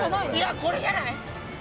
これじゃない？